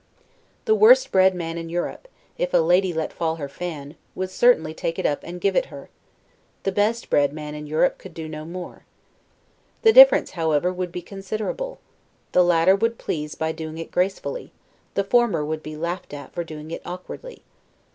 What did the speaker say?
The worst bred man in Europe, if a lady let fall her fan, would certainly take it up and give it her; the best bred man in Europe could do no more. The difference, however, would be considerable; the latter would please by doing it gracefully; the former would be laughed at for doing it awkwardly.